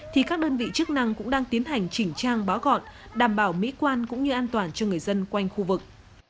thì các đơn vị chức năng cũng đang tiến hành chỉnh trang bó gọn đảm bảo mỹ quan cũng như an toàn cho người dân quanh khu vực